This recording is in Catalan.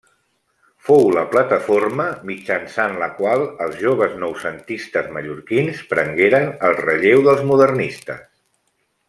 Fou la plataforma mitjançant la qual els joves noucentistes mallorquins prengueren el relleu dels modernistes.